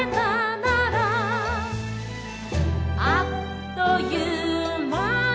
「あっという間に」